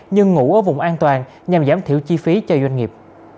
nhưng ngủ ở vùng an toàn nhằm giảm thiểu chi phí cho doanh nghiệp